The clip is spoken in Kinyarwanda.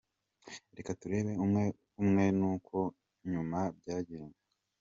Reka turebe umwe umwe n’uko nyuma byagenze:.